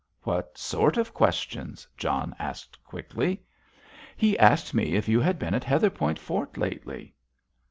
"What sort of questions?" John asked quickly. "He asked me if you had been at Heatherpoint Fort lately.